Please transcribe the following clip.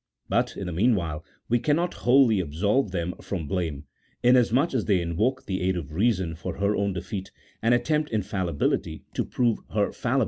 But, in the meanwhile, we cannot wholly absolve them from blame, inasmuch as they invoke the aid of reason for her own defeat, and attempt infallibly to prove her fallible.